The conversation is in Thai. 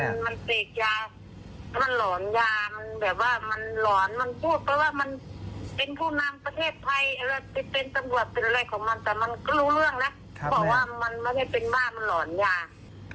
เป็นผู้นำประเทศภัยหรือว่าเป็นจำรวจเป็นอะไรของมัน